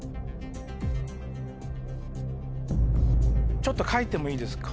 ちょっと書いてもいいですか？